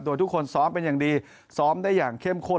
โดยทุกคนซ้อมเป็นอย่างดีซ้อมได้อย่างเข้มข้น